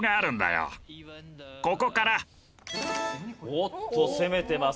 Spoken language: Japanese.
おっと攻めてます。